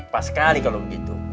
pas sekali kalau begitu